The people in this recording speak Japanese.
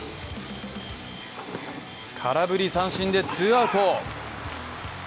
空振り三振でツーアウト。